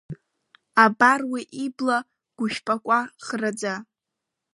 Абар, уи ибла гәышәпақәа ӷраӡа.